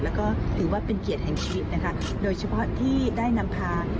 แล้วก็ถือว่าเป็นเกียรติแห่งชีวิตนะคะโดยเฉพาะที่ได้นำพา